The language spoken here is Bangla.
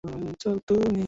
তো বাক্স গেল কোথায়, সুলতান?